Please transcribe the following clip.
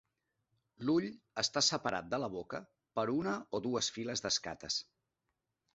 L'ull està separat de la boca per una o dues files d'escates.